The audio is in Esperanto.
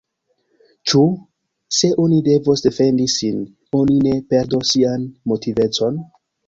Ĉu, se oni devos defendi sin, oni ne perdos sian motivecon?